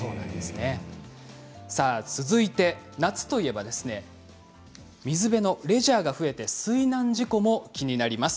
続いて夏といえば水辺のレジャーが増えて水難事故も気になります。